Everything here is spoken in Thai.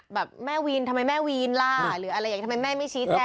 แบบแม่วีนทำไมแม่วีนล่ะหรืออะไรอย่างนี้ทำไมแม่ไม่ชี้แจง